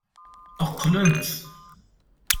Qqlent.